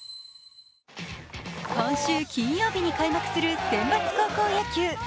今週金曜日に開幕する選抜高校野球。